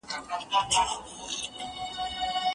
الکول روحي ناروغۍ رامنځ ته کوي.